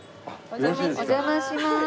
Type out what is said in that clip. お邪魔します。